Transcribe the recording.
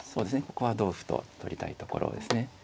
ここは同歩と取りたいところですね。